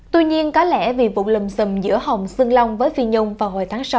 tuy nhiên có lẽ vì vụ lùm xùm giữa hồng sương long với phi nhung vào hồi tháng sáu